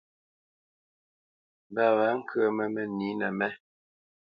Mbǎ wá nkǝmǝ mǝnǐnǝ mé.